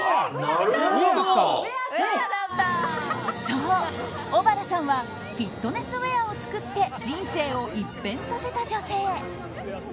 そう、小原さんはフィットネスウェアを作って人生を一変させた女性。